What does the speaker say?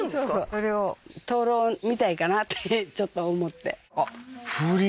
これを灯籠みたいかなってちょっと思ってあっ風鈴